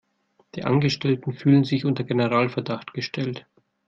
Die Angestellten fühlen sich unter Generalverdacht gestellt.